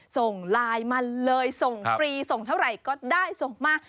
ส่งไลน์มาเลยส่งฟรีส่งเท่าไหร่ก็ได้ส่งมา